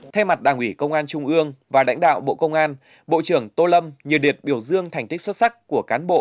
thay mặt đảng ủy công an trung ương và đãnh đạo bộ công an bộ trưởng tô lâm nhờ điệt biểu dương thành tích xuất sắc của cán bộ